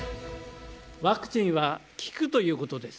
ワクチンは効くということです。